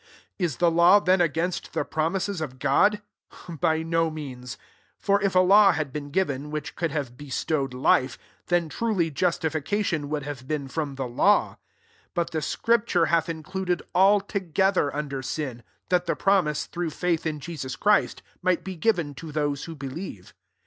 21 la the law then against He promises of God ? By no deans : for if a law had been ren, which could have be awed life, then truly justifica on would have been from the 22 But the scripture hath ^eluded all together under sin, hiat the promise, through faith h Jesus Christ, might be given h those who believe.